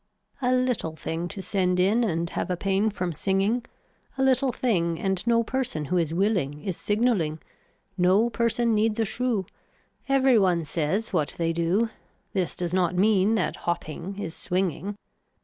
A little thing to send in and have a pain from singing, a little thing and no person who is willing is signalling, no person needs a shoe, every one says what they do, this does not mean that hopping is swinging.